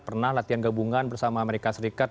pernah latihan gabungan bersama amerika serikat